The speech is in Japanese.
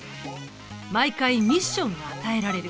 毎回ミッションが与えられる。